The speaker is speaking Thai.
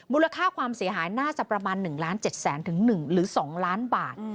มูลค่าความเสียหายน่าจะประมาณ๑ล้าน๗แสนถึง๑หรือ๒ล้านบาท